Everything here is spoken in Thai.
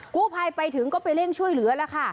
กู้ภัยไปถึงก็ไปเร่งช่วยเหลือแล้วค่ะ